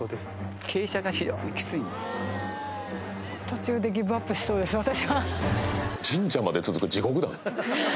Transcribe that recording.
途中でギブアップしそうです私。